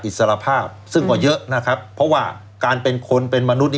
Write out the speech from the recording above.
อิสรภาพซึ่งกว่าเยอะนะครับเพราะว่าการเป็นคนเป็นมนุษย์